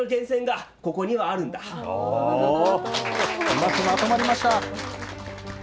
うまくまとまりました。